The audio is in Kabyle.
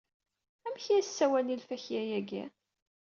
Amek i as-sawalen i lfakya-agi?